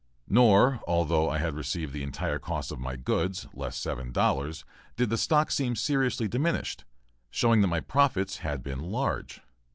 Nor, although I had received the entire cost of my goods, less seven dollars, did the stock seem seriously diminished; showing that my profits had been large.